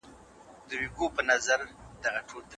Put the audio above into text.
دغه ولسوالي د ایران او پاکستان له سوداګریزو لارو سره تړلې ده.